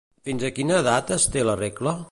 Fins a quina edat es té la regla?